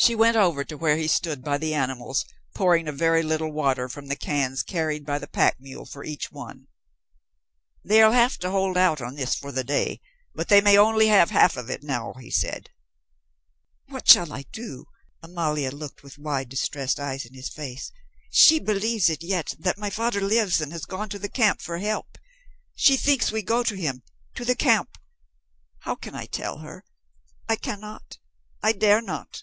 She went over to where he stood by the animals, pouring a very little water from the cans carried by the pack mule for each one. "They'll have to hold out on this for the day, but they may only have half of it now," he said. "What shall I do?" Amalia looked with wide, distressed eyes in his face. "She believes it yet, that my father lives and has gone to the camp for help. She thinks we go to him, to the camp. How can I tell her? I cannot I dare not."